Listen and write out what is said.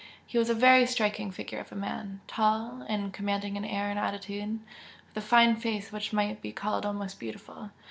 He was a very striking figure of a man tall, and commanding in air and attitude, with a fine face which might be called almost beautiful.